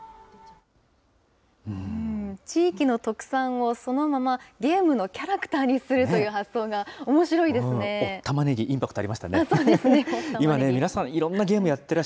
地域の特産をそのままゲームのキャラクターにするという発想おったまねぎ、インパクトあ